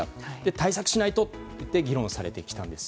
対策しないととして議論されてきたんです。